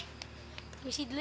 yuk jangan menggantpi kami